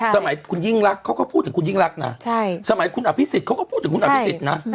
สมัยคุณยิ่งรักเขาก็พูดถึงคุณยิ่งรักนะสมัยคุณอภิษฎเขาก็พูดถึงคุณอภิษฎนะ